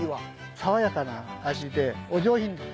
爽やかな味でお上品です。